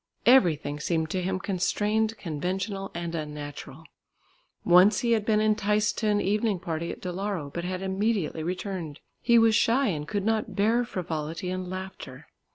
Everything seemed to him constrained, conventional and unnatural. Once he had been enticed to an evening party at Dalarö but had immediately returned. He was shy and could not bear frivolity and laughter.